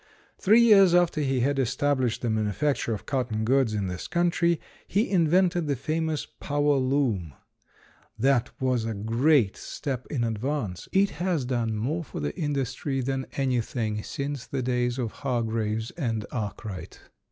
Three years after he had established the manufacture of cotton goods in this country, he invented the famous power loom. That was a great step in advance. It has done more for the industry than anything since the days of Hargreaves and Arkwright.